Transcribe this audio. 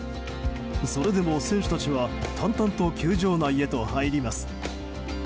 それでも選手たちは淡々と球場内に入ります。